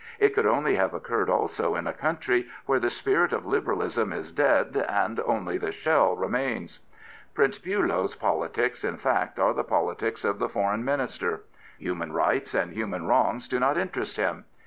It could only have occurred also in a country where the spirit of Liberalism is dead and only the shell remains. Prince Billow's politics, in fact, are the politics of the Foreign Minister. Human rights and human wrongs do not interest him.